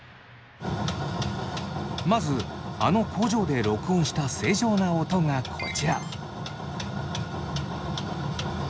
まずあの工場で録音した正常な音がこちら。